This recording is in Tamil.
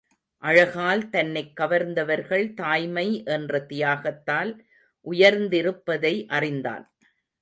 அழகால் தன்னைக் கவர்ந்தவர்கள் தாய்மை என்ற தியாகத்தால் உயர்ந்திருப்பதை அறிந்தான்.